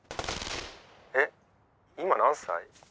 「えっ今何歳？」。